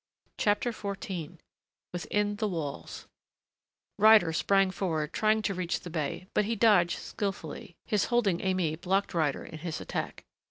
CHAPTER XIV WITHIN THE WALLS Ryder sprang forward, trying to reach the bey, but he dodged skillfully; his holding Aimée blocked Ryder in his attack.